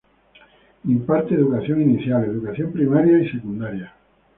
Imparte educación inicial, educación primaria y secundaria.